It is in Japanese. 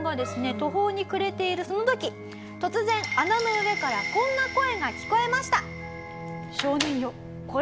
途方に暮れているその時突然穴の上からこんな声が聞こえました。